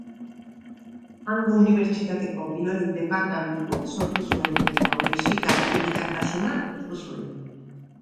Hango unibertsitateko biolin-departamentua sortu zuen, eta mexikar hiritartasuna hartu zuen.